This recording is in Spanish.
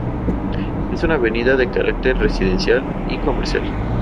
Es una avenida de carácter residencial y comercial.